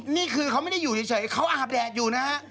นี่คือเขาไม่ได้อยู่เฉยเขาอาบแดดอยู่นะฮะ